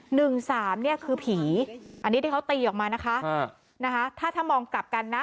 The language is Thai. หนึ่งสามเนี่ยคือผีอันนี้ที่เขาตีออกมานะคะอ่านะคะถ้าถ้ามองกลับกันนะ